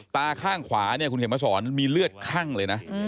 ตาข้างขวาเนี่ยคุณเข็มมาสอนมีเลือดคั่งเลยนะ